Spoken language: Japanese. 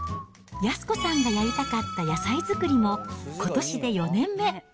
靖子さんがやりたかった野菜作りも、ことしで４年目。